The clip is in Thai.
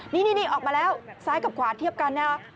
นี่นี่ออกมาแล้วซ้ายกับขวาเทียบกัน